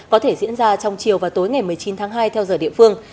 có thể diễn ra trong chiều và tối ngày một mươi chín tháng hai theo giờ địa phương